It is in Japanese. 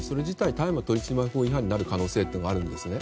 大麻取締法違反になる可能性があるんですね。